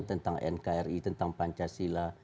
tentang nkri tentang pancasila